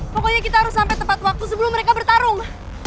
pokoknya kita harus sampai tepat waktu sebelum mereka bertarung